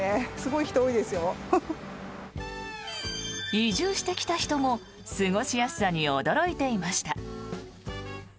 移住してきた人も過ごしやすさに驚いていました。